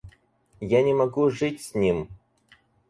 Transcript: Я не могу жить с ним.